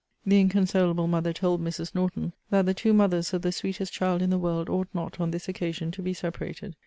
The inconsolable mother told Mrs. Norton, that the two mothers of the sweetest child in the world ought not, on this occasion, to be separated.